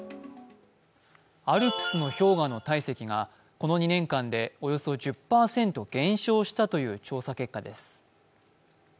アルプスの氷河の体積がこの２年間でおよそ１０％減少したという調査結果です。